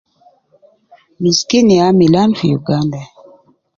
Miskin ya milan fi uganda